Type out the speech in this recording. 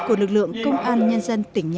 của lực lượng công an nhân dân tỉnh nhà